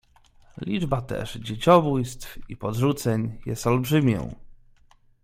"Liczba też dzieciobójstw i podrzuceń jest olbrzymią."